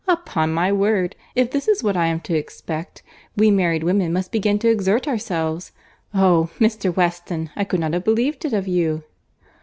—Upon my word, if this is what I am to expect, we married women must begin to exert ourselves!—Oh! Mr. Weston, I could not have believed it of you!"